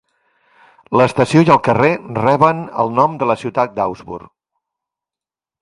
L'estació i el carrer reben el nom de la ciutat d'Augsburg.